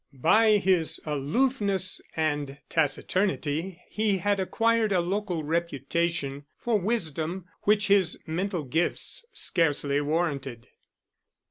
By his aloofness and taciturnity he had acquired a local reputation for wisdom, which his mental gifts scarcely warranted.